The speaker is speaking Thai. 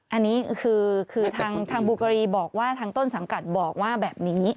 อันนี้คือทางบูกรีบอกว่าทางต้นสังกัดบอกว่าแบบนี้